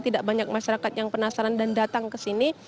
tidak banyak masyarakat yang penasaran dan datang ke sini